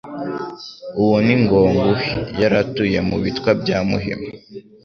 Uwo ni Ngo-nguhe Yari atuye mu bitwa bya Muhima.